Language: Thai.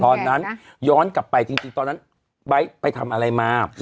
ตอนนั้นย้อนกลับไปจริงจริงตอนนั้นไปทำอะไรมาค่ะ